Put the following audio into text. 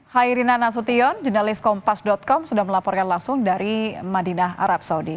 hairina nasution jurnalis kompas com sudah melaporkan langsung dari madinah arab saudi